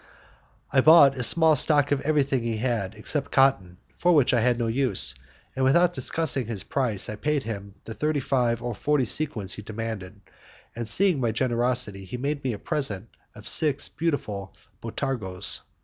I bought a small stock of everything he had except cotton, for which I had no use, and without discussing his price I paid him the thirty five or forty sequins he demanded, and seeing my generosity he made me a present of six beautiful botargoes.